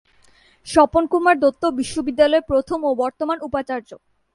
স্বপন কুমার দত্ত বিশ্ববিদ্যালয়ে প্রথম ও বর্তমান উপাচার্য।